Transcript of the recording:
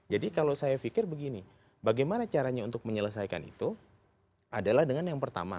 jadi kalau saya pikir begini bagaimana caranya untuk menyelesaikan itu adalah dengan yang pertama